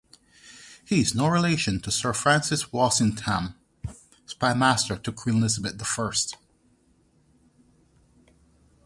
He is no relation to Sir Francis Walsingham, spymaster to Queen Elizabeth the First.